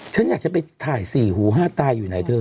ฉันอยากจะไปถ่าย๔หู๕ตาวอยู่ไหนเธอ